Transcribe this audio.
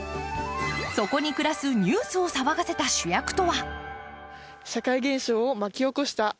そこに暮らすニュースを騒がせた主役とは。